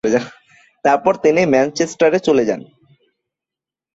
তারপর তিনি ম্যানচেস্টারে চলে যান।